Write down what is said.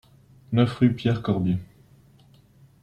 neuf rue Pierre Corbier